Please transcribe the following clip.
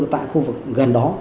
tại khu vực gần đó